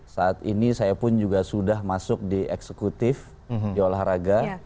saat ini saya pun juga sudah masuk di eksekutif di olahraga